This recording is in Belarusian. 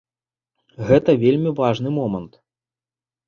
Гэта вельмі важны момант.